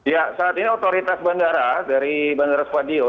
ya saat ini otoritas bandara dari bandara spadio